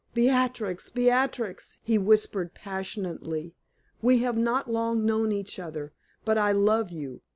"Beatrix! Beatrix!" he whispered, passionately, "we have not long known each other, but I love you!